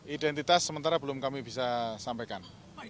identitas sementara belum kami bisa sampaikan